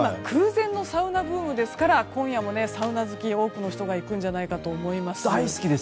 空前のサウナブームですから今夜もサウナ好きの多くの人が行くんじゃないかと思います。